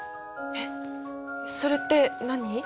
えっそれって何？